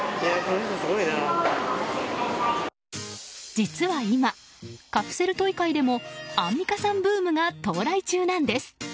実は今、カプセルトイ界でもアンミカさんブームが到来中なんです。